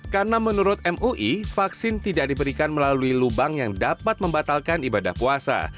karena menurut mui vaksin tidak diberikan melalui lubang yang dapat membatalkan ibadah puasa